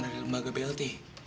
dari lembaga blt